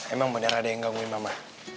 emang bener ada yang gangguin mama